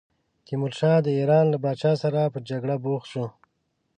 تیمورشاه د ایران له پاچا سره په جګړه بوخت شو.